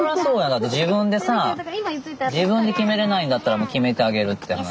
だって自分でさ自分で決めれないんだったら決めてあげるって話。